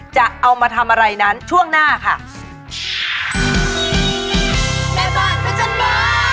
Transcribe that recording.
จะเอามาทำอะไรนั้นช่วงหน้าค่ะ